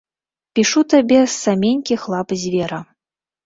Пішу табе з саменькіх лап звера.